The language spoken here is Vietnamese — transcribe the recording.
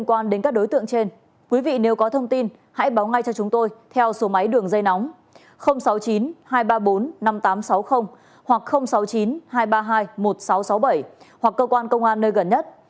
các đối tượng trên quý vị nếu có thông tin hãy báo ngay cho chúng tôi theo số máy đường dây nóng sáu mươi chín hai trăm ba mươi bốn năm nghìn tám trăm sáu mươi hoặc sáu mươi chín hai trăm ba mươi hai một nghìn sáu trăm sáu mươi bảy hoặc cơ quan công an nơi gần nhất